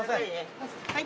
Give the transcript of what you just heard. はい。